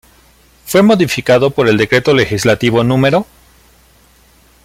Fue modificado por el Decreto Legislativo No.